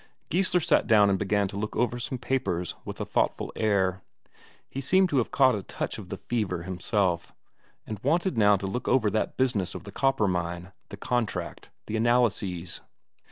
Geissler sat down and began to look over some papers with a thoughtful air. He seemed to have caught a touch of the fever himself, and wanted now to look over that business of the copper mine, the contract, the analyses.